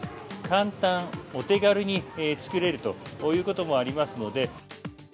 簡単、お手軽に作れるということもありますので。